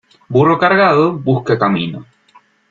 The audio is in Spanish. Burro cargado, busca camino.